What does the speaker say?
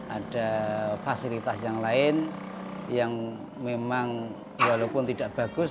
ada fasilitas yang lain yang memang walaupun tidak bagus